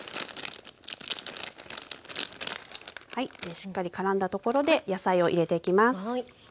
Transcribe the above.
しっかりからんだところで野菜を入れていきます。